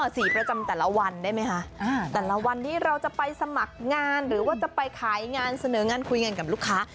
สีประจำแต่ละวันได้ไหมคะแต่ละวันนี้เราจะไปสมัครงานหรือว่าจะไปขายงานเสนองานคุยกันกับลูกค้า